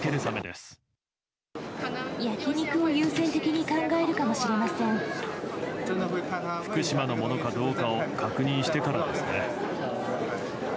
焼き肉を優先的に考えるかも福島のものかどうかを確認してからですね。